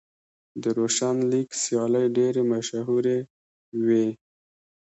د روشن لیګ سیالۍ ډېرې مشهورې وې.